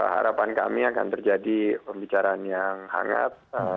harapan kami akan terjadi pembicaraan yang hangat